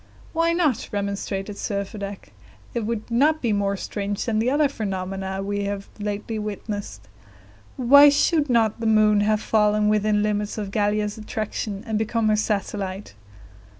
"Why not?" remonstrated Servadac. "It would not be more strange than the other phenomena which we have lately witnessed. Why should not the moon have fallen within the limits of Gallia's attraction, and become her satellite?"